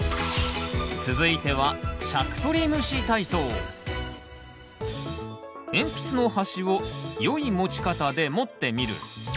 続いては鉛筆の端を良い持ち方で持ってみる。